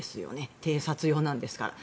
偵察用なんですから。